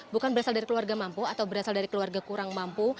bukan berasal dari keluarga mampu atau berasal dari keluarga kurang mampu